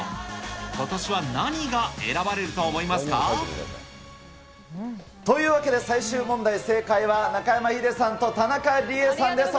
ことしは何が選ばれると思いますというわけで、最終問題、正解は中山ヒデさんと田中理恵さんです。